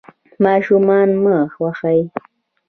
ماشومان مه وهئ.